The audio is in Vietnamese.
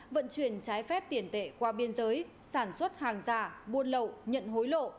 vận chuyển trái phép tiền tệ qua biên giới sản xuất hàng giả buôn lậu nhận hối lộ